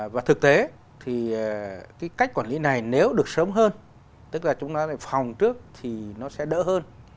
và thực tế thì cái cách quản lý này nếu được sớm hơn tức là chúng ta lại phòng trước thì nó sẽ đỡ hơn